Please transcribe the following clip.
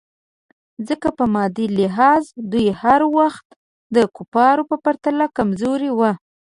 ځکه په مادي لحاظ دوی هر وخت د کفارو پرتله کمزوري وو.